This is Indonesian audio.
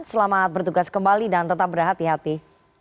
selamat bertugas kembali dan tetap berhati hati